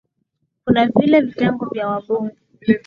kuna vile vitengo vya wabunge